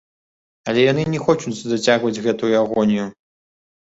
Але яны не хочуць зацягваць гэтую агонію.